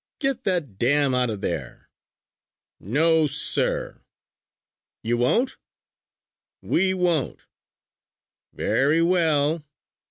"Get that dam out of there!" "No, sir!" "You won't?" "We won't!" "Very well!